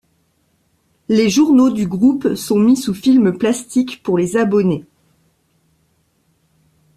Les journaux du groupe sont mis sous film plastique pour les abonnés.